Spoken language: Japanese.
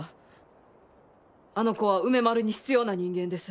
あの子は梅丸に必要な人間です。